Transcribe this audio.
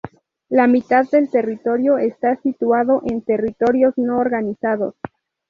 La mitad del territorio está situado en territorios no organizados.